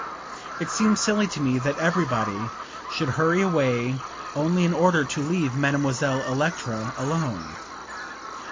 It seems silly to me that everybody should hurry away only in order to leave Mademoiselle Electra alone."